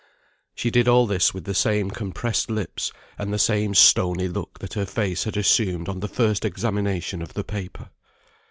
She did all this with the same compressed lips, and the same stony look that her face had assumed on the first examination of the paper.